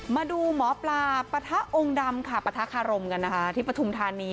มาดูหมอปลาปะทะองค์ดำค่ะปะทะคารมกันนะคะที่ปฐุมธานี